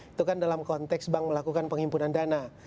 itu kan dalam konteks bank melakukan penghimpunan dana